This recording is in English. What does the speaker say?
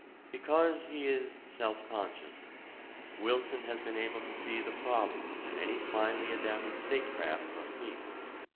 Because he is self conscious, Wilson has been able to see the problem that any finely adapted statecraft must meet.